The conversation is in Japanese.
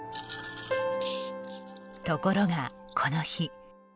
ところが、この日。